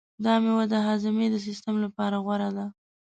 دا مېوه د هاضمې د سیستم لپاره غوره ده.